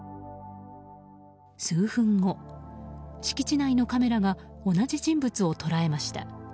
数分後、敷地内のカメラが同じ人物を捉えました。